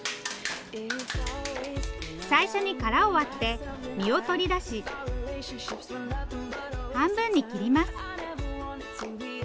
最初に殻を割って身を取り出し半分に切ります。